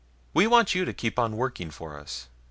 We want you to keep on working for us.